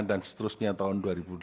dan seterusnya tahun dua ribu delapan belas